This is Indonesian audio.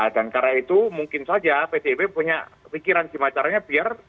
dan karena itu mungkin saja pdip punya pikiran gimacaranya biar